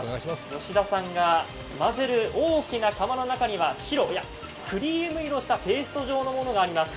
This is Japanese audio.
吉田さんが混ぜる大きな窯の中には白、いや、クリーム色をしたペースト状のものがあります。